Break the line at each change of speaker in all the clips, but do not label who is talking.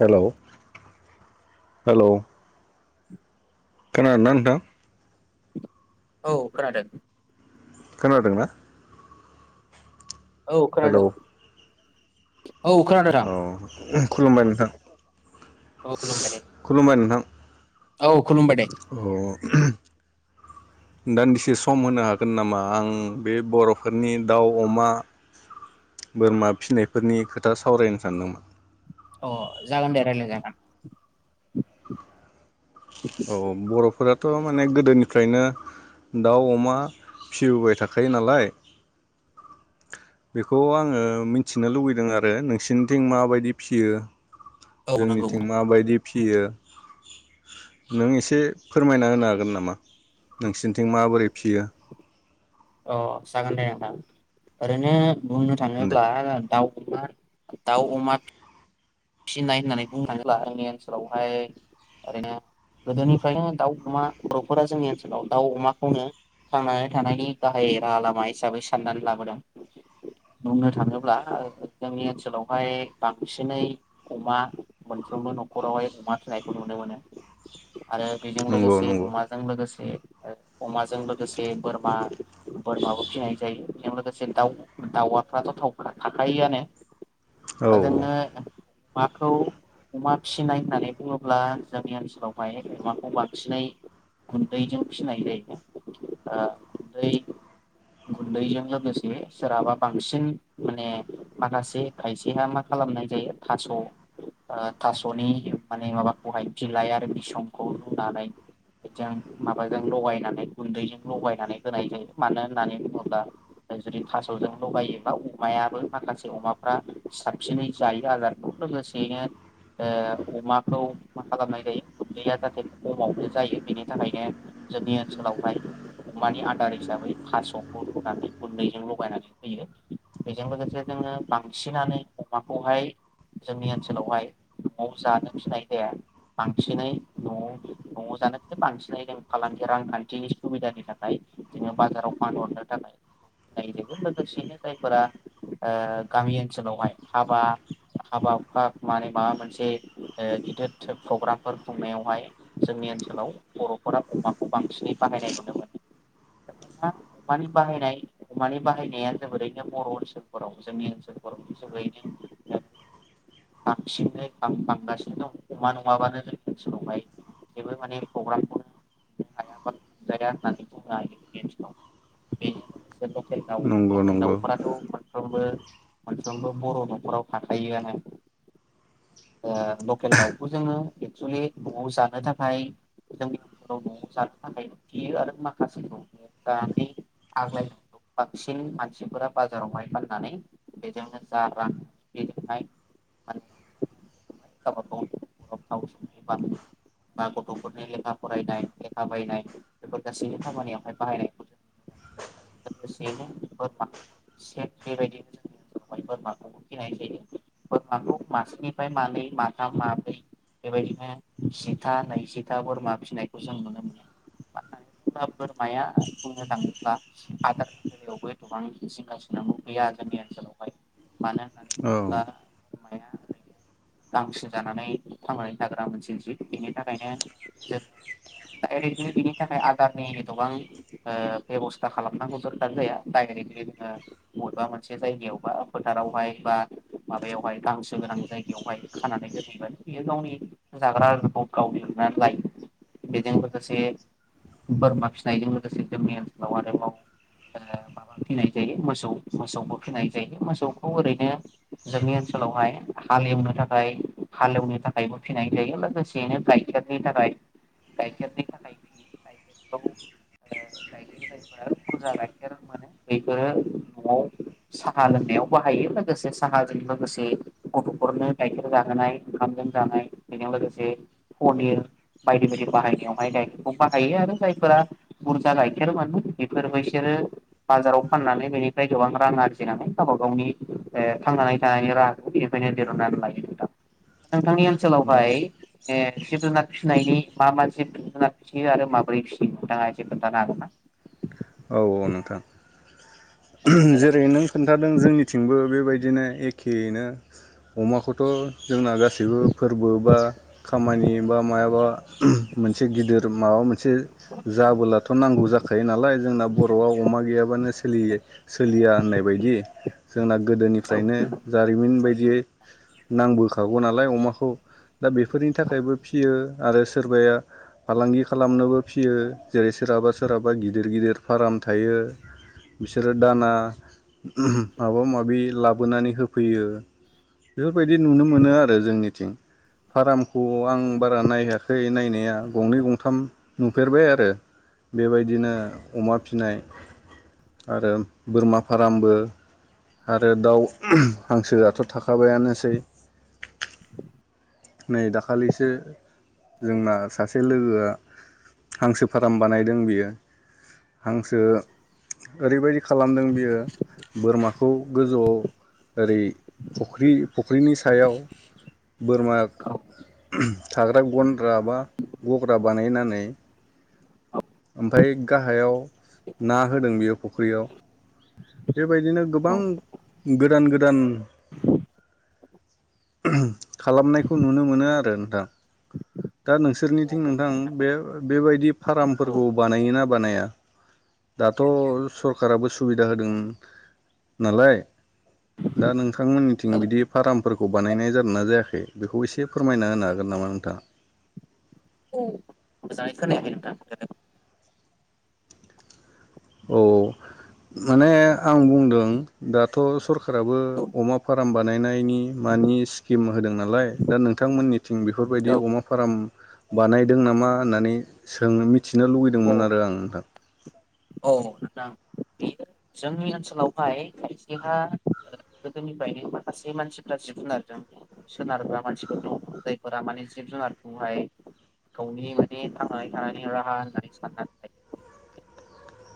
Hello hello खोनादोंना नोंथां
औ खोनादों
खोनादोंना?
औ
हेलौ
खोनादों औ खोनादों रां
औ खुलुमबाय नोंथां
औ खुलुमबाय दे
खुलुमबाय नोंथां
औ खुलुमबाय दे
अ अ दान्दिसे सम होनो हागोन नामा आं बे बरफोरनि दाउ अमा बोरमा फिनायफोरनि खोथा सावरायनो सानदोंमोन
अ जागोन दे रायलाय जागोन
औ बरफोराथ माने गोदोनिफ्रायनो दाव अमा फिबोबाय थाखायो नालाय बेखौ आङो मिथिनो लुबैदों आरो नोंसिनिथिं माबायदि फियो
औ नंगौ
जोंनिथिं माबायदि फियो नों एसे फोरमायना होनो हागोन नामा नोंसिनिथिं माबोरै फियो
अ जागोन दे नोंथां ओरैनो बुंनो
दे
थाङोब्ला दाउ मा दाउ अमा फिनाय होननानै बुंनो थाङोब्ला जोंनि ओनसोलावहाय ओरैनो गोदोनिफ दाउ अमा बर'फोरा जोंनि ओनसोलाव दाउ अमाखौनो थांनानै थानायनि गाहाय राहा लामा हिसाबै साननानै लाबोदों बुंनो थाङोब्ला जोंनि ओनसोलावहाय। बांसिनै अमा मोनफ्रोमबो नखरावहाय अमा फिनायखौ नुनो मोनो। आरो बेजों
नंगौ
लोगोसे
नंगौ
अमाजों लोगोसे अमाजों लोगोसे बोरमा बोरमाबो फिसिनाय जायो बेजों लोगोसे दाउ दाउआफ्राथ थ थाखायोआनो
औ औ
[unintelligible] माखौ अमा फिनाय होननानै बुङोब्ला जोंनि ओनसोलावहाय अमाखौ बांसिनै गुन्दैजों फिसिनाय जायो ओ गुन्दै गुन्दैजों लोगोसे सोरहाबा बांसिन माने माखासे खायसेहा मा खालामनाय जायो थास ओ थासनि माने माबाखौहाय बिलाइ आरो बिसंखौ लुनानै माबाजों लगायनानै गुन्दैजों लगायनानै होनाय जायो मानो होननानै बुङोब्ला जुदि थास'जों लगायोबा अमायाबो माखासे अमाफ्रा साबसिनै जायो आदार बे लोगोसेयैनो ओ अमाखौ मा खालामनाय जायो गुन्दैया जाहाथे खमावनो जायो बेनि थाखायनो जोंनि ओनसोलावहाय अमानि आदार हिसाबै थासखौ रुनानै गुन्दैजों लगायनानै होयो बेजों लोगोसे जनोङो बांसिनानो अमाखौहाय जोंनि ओनसोलावहाय न'आव जानो फिसिनाय जाया बांसिनै नआव नआव जानो थाखाय बांसिनै जों फालांगि रांखान्थिनि सुबिदानि थाखाय जोङो बाजाराव फानहरनो थाखाय फिनाय जायो लोगोसेयैनो जायफोरा ओ गामि ओनसोलावहाय हाबा। हाबा हुखा माने माबा मोनसे ओ गिदिर प्रग्रामफोर खुंनायावहाय जोंनि ओनसोलाव बरफोरा अमाखौ बांसिनै बाहायनाय नुनो मोनो अमानि बाहायनाय अमानि बाहायनाया जोबोरैनो बर ओनसोलफोराव जोंनि ओनसोलफोराव जोबोरैनो बांसिनै बां बांगासिनो दं अमा नङाबानो जोंनि ओनसोलावहाय जेबो माने प्रग्रामखौनो [unintelligible] नो हाया बा [unintelligible] जाया होननानै बुंनो हायो जोंनि ओनसोलावाय बे [unintelligible] [unintelligible] लखेल दाउ
नंगौ
लखेल
नंगौ
दाउफोरा थ' सामफ्रोमबो सामफ्रामबो बर' नखराव थाखायोआनो ओ लकेल दाउखौ जोङो एक्सुेलि न'आव जानो थाखाय जोंनि ओनसोलाव नआव जानो थाखायबो फियो आरो माखासेखौ [unintelligible] नानै आग्लायनायखौ बांसिन मानसिफोरा बाजारावहाय फाननानै बेजोंनो जा रां [unintelligible] गावबा गाव [unintelligible] बा गथफोरनि लेखा फरायनाय लेखा बायनाय बेफोर गासैबो खामानियावहाय बाहायनायखौ जों [unintelligible] लोगोसेनो बोरमाखौबो [unintelligible] बेबायदिनो [unintelligible] बोरमाखौ फिनाय जायो बोरमाखौ मासेनिफ्राय मानै माथाम माब्रै बेबायदिनो जिथा नैजिथा बोरमा फिसिनायखौ जों नुनो मोनो [unintelligible] बोरमाया बुंनो थाङोब्ला आदारनि बेलायावबो एथबां जिंगासिनांगौ गैया जोंनि ओनसोलावहाय मानो होननानै
औ
बुङोब्ला बोरमाया गांसो जानानै थांनानै थाग्रा मोनसे जिब बिनि थाखायनो जो डायरेक्टलि बिनि थाखाय आदारनि एथबां ओ बेबस्था खालामनांगौ दरखार जाया डायरेक्टलि जोङो बबेबा मोनसे जायगायाव बा फोथारावहाय बा माबायावहाय गांसो गोनां जायगायावहाय खानानै दोनहैबानो बियो गावनि जाग्राखौ गाव [unintelligible] नानै लायो बेजों लोगोसे बोरमा फिसिनायजों लोगोसे जोंनि ओनसोलाव आरोबाव ओ माबा फिनाय जायो मोसौ मोसौबो फिनाय जायो मोसौखौ ओरै जोंनि ओनसोलावहाय हालेवनो थाखाय हालेवनो थाखायबो फिनाय जायो लोगोसेैनो गाइखेरनि थाखाय गाइखेरनि थाखाय फियो गाइखेरफ्राव गाइखेर जायफोरा बुरजा गाइखेर मोनो बेफोरो नआव साहा लोंनायाव बाहायो। लोगोसे साहाजों लोगोसे गथफोरनो गाइखेर जाहोनाय ओंखामजों जानाय बेजों लोगोसे पनिर बायदि बायदि बाहायनायावहाय गाइखेरखौ बाहायो आरो जायफोरा बुरजा गाइखेर मोनो बेफोर बिसोरो बाजाराव फाननानै बेनिफ्राय गोबां रां आरजिनानै गावबा गावनि ओ थांनानै थानायनि राहाखौनिफ्रायनो दिरहुननानै लायो नोंथां। नोंथांनि ओनसोलावहाय
औ
ए जिब जुनार फिनायनि मा मा जिब फियो आरो माबोरै फियो नोंथाङा खोनथानो हागोन ना?
औ औ नोंथां जेरै नों खोन्थादों जोंनिथिंबो बेबायद बिदिनो एखेनो अमाखौथ जोंना गासैबो फोरबो बा खामानि बा मायाबा मोनसे गिदिर माबा मोनसे एसे जाबोलाथ' नांगौ जाखायो नालाय जोंना बर'आव अमा गैयाबानो सोलियै सोलिया होननाय बायदि। जोंना
औ
गोदोनिफ्रायनो जारिमिन बायद थियै नांबोखागौ नालाय अमाखौ दा बेफोरनि थाखायबो फियो आरो सोरबाया फालांगि खालामनोबो फियो जेरै सोरहाबा सोरहाबा गिदिर गिदिर फाराम थायो बिसोरो दाना माबा माबि लाबोनानै होफैयो बेफोरबायदि नुनो मोनो आरो जोंनिथिं फारामखौ आं बारा नायाखै नायनाया गंनै गंथाम नुफेरबाय आरो बेबायदिनो अमा फिनाय आरो बोरमा फारामबो आरो दाउ हांसोआथ थाखाबायानोसै। नै दाखालिसो जोंना सासे लोगोआ हांसो फाराम बानायदों बियो हांसो ओरैबायदि खालामदों बियो बोरमा खौ गोजौआव ओरै फख्रि फुख्रिनि सायाव बोरमा
औ
थाग्रा गन्द्रा बा गग्रा बानायनानै ओमफ्राय गाहायाव ना होदों बेयो फुख्रियाव। बेबायदिनो गोबां
औ
गोदान गोदान खालामनाय बेखौ नुनो मोनो आरो नोंथां दा नोंसोरनिथिं नोंथां बे बेबायदि फारामफोरखौ बानायोना बानाया दाथ' सरखाराराबो सुबिदा होदों नालाय दा नोंथांमोननिथिं
औ
बिदि फार्मफोरखौ बानायनाय जादों ना जायाखै? बेखौ एसे फोरमायना होनो हागोन नामा नोंथाङा?
मोजाङौ खोनायाखै नोंथां
औ माने आं बुंदों दाथ' सरखाराराबो अमा फार्म बानायनायनि मानि स्किम होदों नालाय दा नोंथांमोननि थिं बेफोरबायदि
औ
अमा फाराम बानायदों नामा होननानै
औ
[unintelligible]
औ नोंथां बे जोंनि ओनसोलावहाय खायसेहा गोदोनिफ्रायनो माखासे मानसिफ्रा जिब जुनारजों सोनारग्रा मानसिफोर दं जायफोरा माने जिब जुनारखौहाय गावनि माने थांनानै थानायनि राहा होननानै साननानै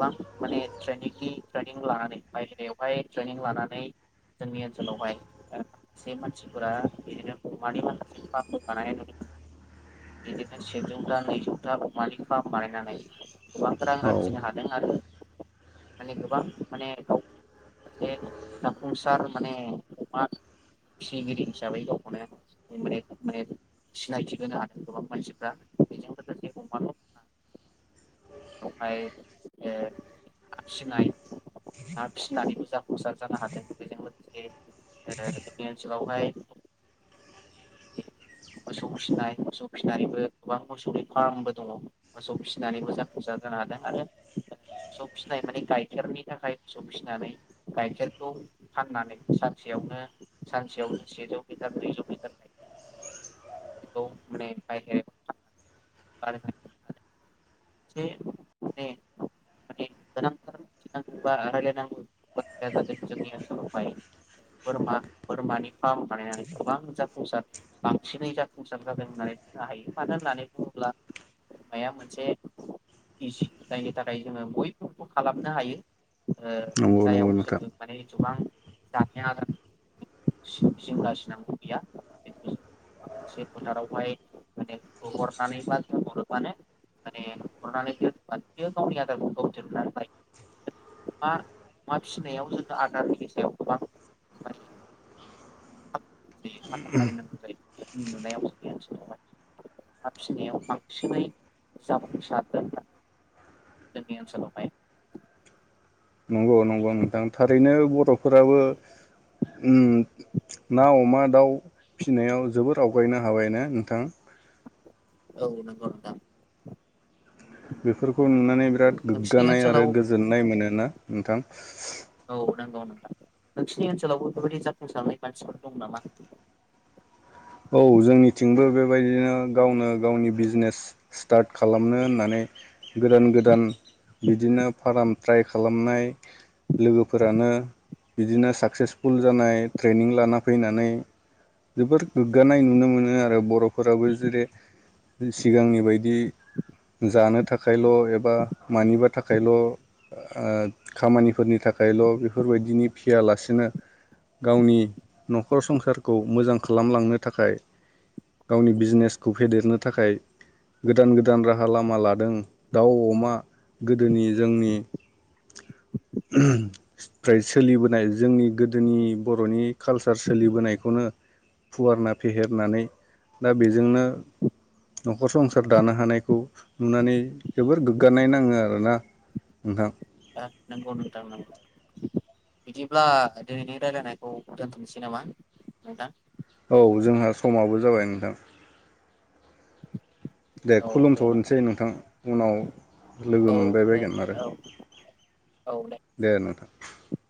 गोबां माने ट्रेनिंनि ट्रेनिं लानानै बायहेरायावहाय ट्रेनिं लानानै जोंनि ओनसोलावहाय माखासे मानसिफोरा बिदिनो अमानि माखासे फार्म बानाय नु मोन बिदिनो सेजौथा नैजौथा अमानि फार्म बानायनानै गोबां रां
औ
आरजिनो हादों आरो माने गोबां माने गाव ससे जाफुंसार माने अमा फिसिगिरि हिसाबै गावखौनो माने माने सिनायथि होनो हादों गोबां मानसिफ्रा बेजों अमा बेवहाया फिनाय ना फिसिनानैबो जाफुंसार जानो हादों बेजों लोगोसे जोंनि ओनसोलावहाय मोसौ फिसिनाय मोसौ फिसिनानैबो गोबां मोसौै फार्मबो दंङ मोसौ फिसिनानैबो जाफुंसार जानो हादों आरो मोसौ फिसिनाय माने गाइखेरनि थाखाय मोसौ फिसिनानै गाइखेरखौ फाननानै सानसेयावनो सानसेयावनो सेजौ लिटार ब्रैजौ लिटार गायखेर बेखौ माने बायहे [unintelligible] मिथिनांगौ बा रायलायनांगौ बाथ्राया जादों जोंनि ओनसोलावहाय बोरमा बोरमानि फार्म बानायनानै गोबां जाफुंसार बांसिनै जाफुंसार जादों होननानै बुंनो हायो मानो होननानै बुङोब्ला बोरमाया मोनसे इजि जायनि थाखाय जोंङो बयबो खालामनो हायो
नंगौ नंगौ नोंथां
गोबां जानाय आदार जिंगासिनांगौ गैया मोनसे फोथारावहाय माने हरनानै बाहरोबानो माने हरनानै दोनोबा बियो गावनि आदारखौ गाव दिहरुननानैलायो मा मा फिसिनायाव जोंङो आदारनि सायाव गोबां माने जायो माथा मारिनांगौ जायो जोंनि हाबसिनायाव बांसिनै जाफुंसारगोन जोंनि ओनसोलावहाय
नंगौ नंगौ नोंथां थारैनो बरफोराबो उम ना अमा दाउ फिसिनायाव जोबोर आवगायनो हाबायना नोंथां
औ नोंगौ नोंथां
बेफोरखौ नुनानै बिराद
नोंसिनि
गोग्गानाय आरो
ओनसोलाव
गोजोननाय मोनो ना नोंथां
औ नोंगौ नोंथां नों नि ओनसोलावबो बेबायदिजाफुंसारनाय मानसिफोर दं नामा
औ जोंनिथिंबो बेबायदिनो गावनो गावनि बिजनेस स्टार्ट खालामनो होननानै गोदान गोदान बिदिनो फार्म ट्राइ खालामनाय लोगोफोरानो बिदिनो साकसेसफुल जानाय ट्रेनिं लाना फैनानै जोबोर गोग्गानाय नुनो मोनो आरो बर'फोराबो जेरै सिगांनि बायदि जानो थाखायल' एबा मानिबा थाखायल' आ खामानिफोरनि थाखायल' बेफोरबायदिनि फियालासेनो गावनि न'खर संसारखौ मोजां खालाम खालामलांनो थाखाय गावनि बिजनेसखौ फेदेरनो थाखाय गोदान गोदान राहा लामा लादों दाउ अमा गोदोनि जोंनि फ्राय सोलिबोनाय जोंनि गोदोनि बर'नि कालसार सोलिबोनायखौनो फुवारना फेहेरनानै दा बेजोंनो न'खर संसार दानो हानायखौ नुनानै जोबोर गोग्गानाय नाङो आरोना नोंथां
आं नोंगौ नोंथां नोंगौ बिदिब्ला दिनैनि रायजलायनायखौ दोनथ'नोसै नामा नोंथां
औ जोंहा समाबो जाबाय नोंथां दे खुलुमथ'नोसै नोंथां उनाव लोगो
औ
मोनबाय
दे
बगोन आरो
औ औ
दे नोंथां